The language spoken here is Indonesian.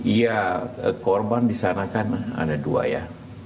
iya korban disana kan ada dua ya